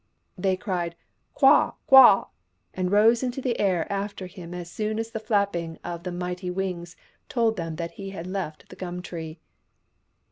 They cried " Kwah ! Kwah !" and rose into the air after him as soon as the flapping of the mighty wings told them that he had left the gum tree.